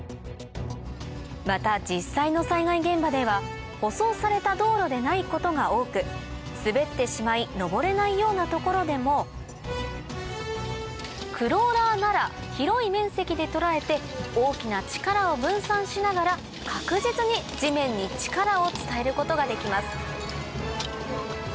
また実際の災害現場では舗装された道路でないことが多く滑ってしまい上れないような所でもクローラーなら広い面積で捉えて大きな力を分散しながら確実に地面に力を伝えることができます